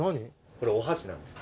これお箸なんです。